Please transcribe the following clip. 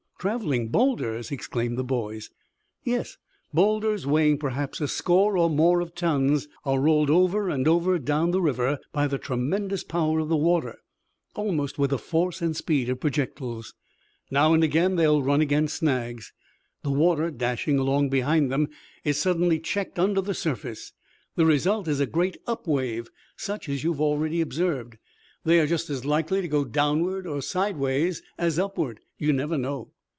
"Traveling boulders!" exclaimed the boys. "Yes. Boulders weighing perhaps a score or more of tons are rolled over and over down the river by the tremendous power of the water, almost with the force and speed of projectiles. Now and again they will run against snags. The water dashing along behind them is suddenly checked under the surface. The result is a great up wave, such as you have already observed. They are just as likely to go downward or sideways as upward. You never know."